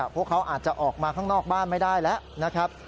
พวกเขาอาจจะออกมาข้างนอกบ้านไม่ได้แล้วนะครับ